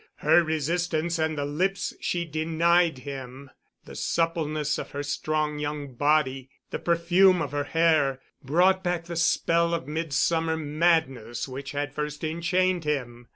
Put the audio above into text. Her resistance and the lips she denied him, the suppleness of her strong young body, the perfume of her hair brought back the spell of mid summer madness which had first enchained him.